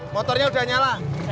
motornya udah nyala